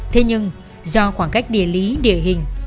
thế nhưng do khoảng cách địa lý địa hình